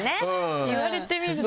言われてみると。